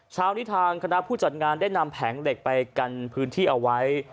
เช้านี้ทางคณะผู้จัดงานได้นำแผงเหล็กไปกันพื้นที่เอาไว้